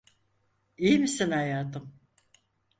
İyi misin hayatım?